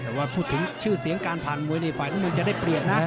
แต่ว่าพูดถึงชื่อเสียงการผ่านมวยนี่ฝ่ายน้ำเงินจะได้เปลี่ยนนะ